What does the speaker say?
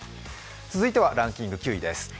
続いてはランキング９位です。